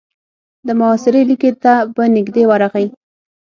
د محاصرې ليکې ته به نږدې ورغی.